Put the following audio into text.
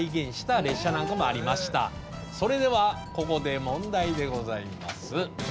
それではここで問題でございます。